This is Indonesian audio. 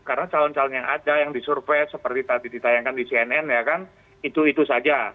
karena calon calon yang ada yang disurvey seperti tadi ditayangkan di cnn ya kan itu itu saja